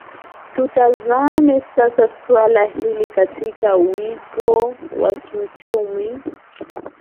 tutazame sasa suala hili katika wigo wa kiuchumi